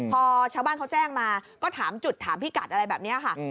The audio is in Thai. พอชาวบ้านเขาแจ้งมาก็ถามจุดถามพี่กัดอะไรแบบนี้ค่ะ